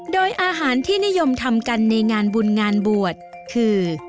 โดยอาหารที่นิยมทำกันในงานบุญงานบวชคือ